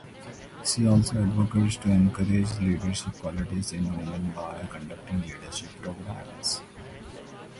She also advocates to encourage leadership qualities in women by conducting leadership programmes.